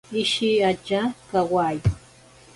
Ishiatya kawayo.